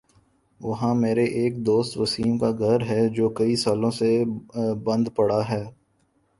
وہاں میرے ایک دوست وسیم کا گھر ہے جو کئی سالوں سے بند پڑا ہے ۔